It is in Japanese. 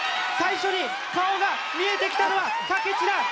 最初に顔が見えてきたのは武知だ